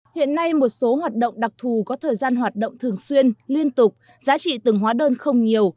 hiện nay một số hoạt động đặc thù có thời gian hoạt động thường xuyên liên tục giá trị từng hóa đơn không nhiều